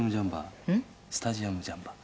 スタジアムジャンパー。